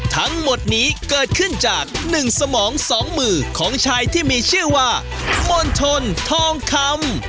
ทั้งหมดนี้เกิดขึ้นจาก๑สมอง๒มือของชายที่มีชื่อว่ามณชนทองคำ